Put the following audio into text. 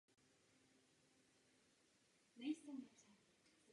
Předsedal podvýboru pro vyhlašování stavu nouze.